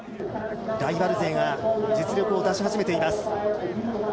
ライバル勢が実力を出し始めています。